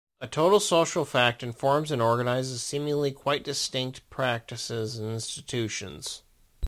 A total social fact informs and organizes seemingly quite distinct practices and institutions.